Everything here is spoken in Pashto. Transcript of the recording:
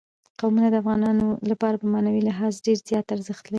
قومونه د افغانانو لپاره په معنوي لحاظ ډېر زیات ارزښت لري.